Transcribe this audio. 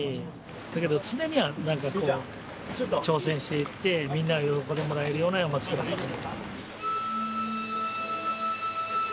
だけど常になんかこう挑戦していってみんなに喜んでもらえるような山笠を作らないかん。